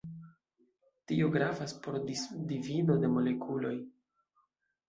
Tio gravas por disdivido de molekuloj.